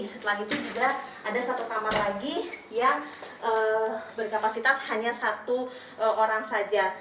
setelah itu juga ada satu kamar lagi yang berkapasitas hanya satu orang saja